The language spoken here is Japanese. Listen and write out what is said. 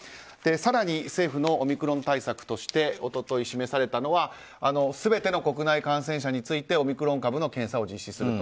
更に、政府のオミクロン対策として一昨日示されたのが全ての感染感染者についてオミクロン株の検査を実施すると。